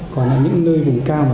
còn những nơi vùng cao